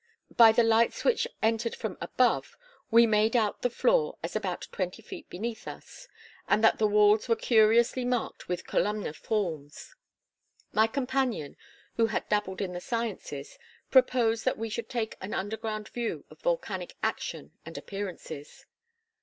By the lights which entered from above, we made out the floor as about twenty feet beneath us, and that the walls were curiously marked with columnar forms. My companion, who had dabbled in the sciences, proposed that we should take an underground view of volcanic action and appearances.